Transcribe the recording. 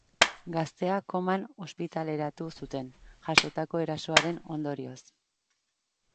Gaztea koman ospitaleratu zuten, jasotako erasoaren ondorioz.